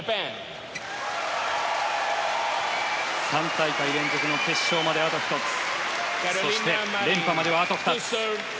３大会連続の決勝まであと１つそして連覇まではあと２つ。